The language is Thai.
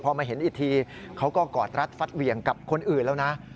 พอมาเห็นอีกทีเขาก็กอดรัดฟัดเหวี่ยงกับคนอื่นแล้วนะ